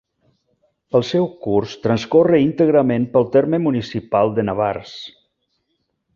El seu curs transcorre íntegrament pel terme municipal de Navars.